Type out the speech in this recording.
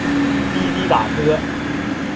滴滴打车